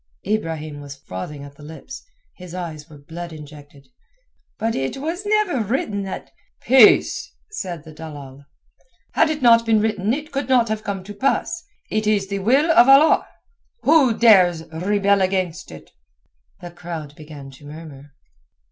Ibrahim was frothing at the lips, his eyes were blood injected. "But it was never written that...." "Peace," said the dalal. "Had it not been written it could not have come to pass. It is the will of Allah! Who dares rebel against it?" The crowd began to murmur.